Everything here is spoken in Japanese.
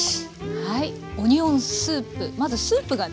はい。